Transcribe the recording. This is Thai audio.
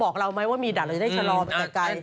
บอกเราว่ามีดัดเราจะได้จะชะลอไปกัย